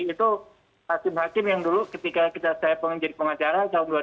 itu hakim hakim yang dulu ketika kita saya pengen jadi pengacara tahun dua ribu